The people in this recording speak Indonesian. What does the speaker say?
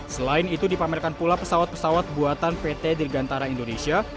selain itu dipamerkan pula pesawat pesawat buatan pt dirgantara indonesia